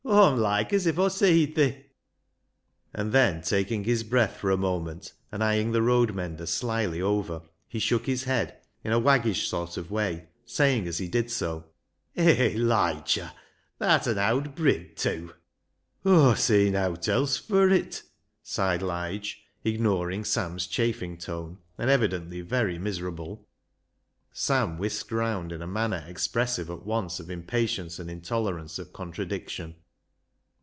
" Aw'm loike as if Aw seed thi." And then, taking his breath for a moment, and eyeing the road mender slyly over, he shook his head in a waggish sort of way, saying, as he did so —" Hay, Liger, tha'rt an owd brid tew !" "Aw see nowt else fur it," sighed Lige, ignoring Sam's chaffing tone, and evidently very miserable. Sam whisked round in a manner expressive at once of impatience and intolerance of con tradiction.